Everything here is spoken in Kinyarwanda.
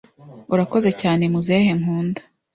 Urakoze cyane Muzehe nkunda